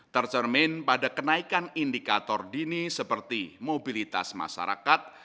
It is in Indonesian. tercermin pada kenaikan indikator dini seperti mobilitas masyarakat